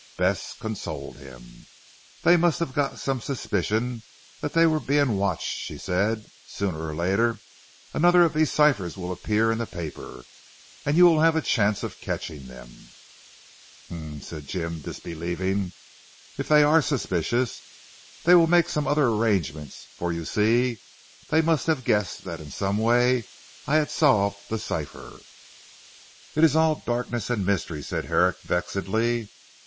Bess consoled him. "They must have got some suspicion that they were being watched," she said, "sooner or later another of these ciphers will appear in the paper and you will have a chance of catching them." "Humph!" said Jim disbelieving, "if they are suspicious, they will make some other arrangements for you see, they must have guessed that in some way I had solved the cipher. It is all darkness and mystery," said Herrick vexedly.